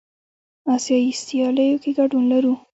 آسیایي سیالیو کې ګډون لرو.